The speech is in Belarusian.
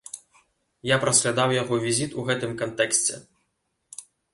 Я б разглядаў яго візіт у гэтым кантэксце.